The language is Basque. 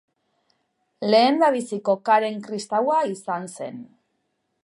Lehendabiziko karen kristaua izan zen.